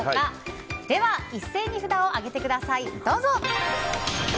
では、一斉に札を上げてください。